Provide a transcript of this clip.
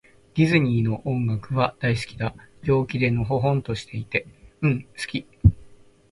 ディズニーの音楽は、大好きだ。陽気で、のほほんとしていて。うん、好き。